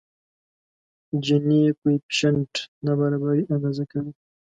جیني کویفشینټ نابرابري اندازه کوي.